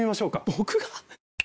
僕が？